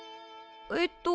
えっと。